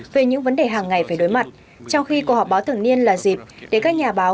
về những vấn đề hàng ngày phải đối mặt trong khi cuộc họp báo thường niên là dịp để các nhà báo